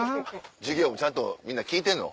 授業もちゃんとみんな聞いてんの？